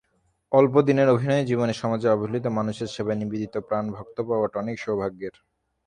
অল্প দিনের অভিনয়জীবনে সমাজের অবহেলিত মানুষের সেবায় নিবেদিতপ্রাণ ভক্ত পাওয়াটা অনেক সৌভাগ্যের।